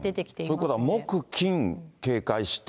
ということは木、金、警戒して、